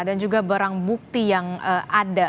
dan juga barang bukti yang ada